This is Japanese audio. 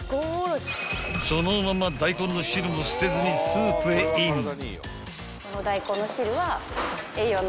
［そのまま大根の汁も捨てずにスープへイン］